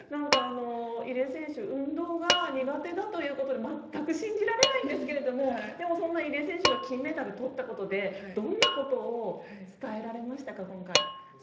入江選手運動が苦手だということで全く信じられないんですけれどもそんな入江選手が金メダルをとったことでどんなことを伝えられましたか今回。